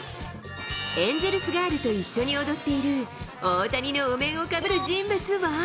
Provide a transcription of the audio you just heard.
エンゼルスガールと一緒に踊っている、大谷のお面をかぶる人物は。